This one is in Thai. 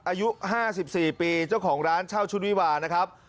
อายุ๕๔ปีเจ้าของร้านเช่าชุดวิวานะครับ